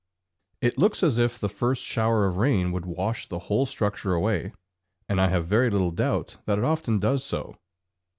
It looks as if the first shower of rain would wash the whole structure away, and I have very little doubt that it often does so.